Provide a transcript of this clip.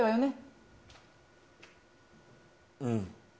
うん。